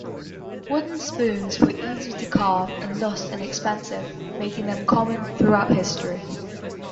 Wooden spoons were easy to carve and thus inexpensive, making them common throughout history.